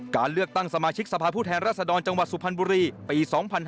การเลือกตั้งสมาชิกสภาพผู้แทนรัศดรจังหวัดสุพรรณบุรีปี๒๕๕๙